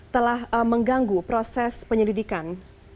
telah mengganggu proses penyelidikan